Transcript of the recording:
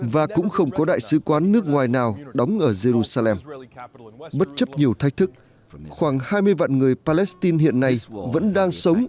và cho trẻ bố mẹ thường xuyên